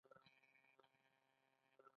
احمد شاه بابا څوک و؟